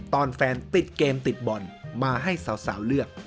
ตอนแฟนติดเกมติดบอลมาให้สาวเลือก